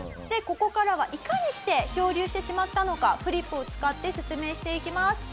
ここからはいかにして漂流してしまったのかフリップを使って説明していきます。